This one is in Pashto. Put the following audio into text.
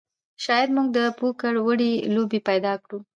شاید موږ د پوکر وړې لوبې پیدا کړو